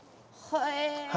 へえ。